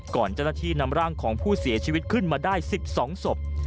เจ้าหน้าที่นำร่างของผู้เสียชีวิตขึ้นมาได้๑๒ศพ